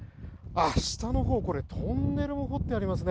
下のほう、これトンネルも掘ってありますね。